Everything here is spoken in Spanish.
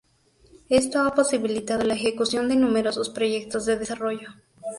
Esto ha posibilitado la ejecución de numerosos proyectos de desarrollo.